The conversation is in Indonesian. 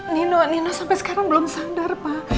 nino nina sampai sekarang belum sadar pak